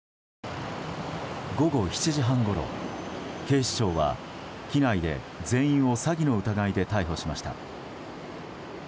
午後７時半ごろ、警視庁は機内で全員を詐欺の疑いで逮捕しました。